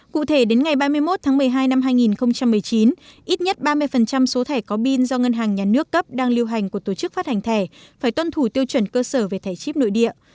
cụ thể đến ngày ba mươi một tháng một mươi hai năm hai nghìn một mươi chín ít nhất ba mươi số thẻ có pin do ngân hàng nhà nước cấp đang lưu hành của tổ chức phát hành thẻ phải tuân thủ tiêu chuẩn cơ sở về thẻ chip nội địa